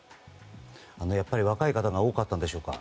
やっぱり若い方が多かったんでしょうか。